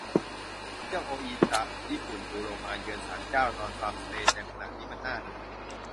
เที่ยวโออิตะ ญี่ปุ่น ดูโลมา เยือนศาลเจ้า นอนฟาร์มสเตย์ แจ่มขนาดนี้มันน่าโดน